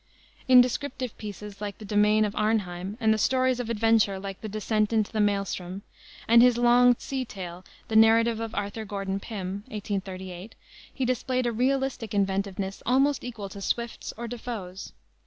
In descriptive pieces like the Domain of Arnheim, and stories of adventure like the Descent into the Maelstrom, and his long sea tale, The Narrative of Arthur Gordon Pym, 1838, he displayed a realistic inventiveness almost equal to Swift's or De Foe's.